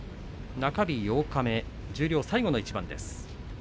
中日・八日目十両最後の一番です。